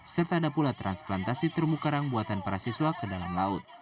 serta ada pula transplantasi terumbu karang buatan para siswa ke dalam laut